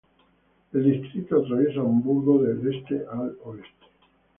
El distrito atraviesa Hamburgo del este al oeste.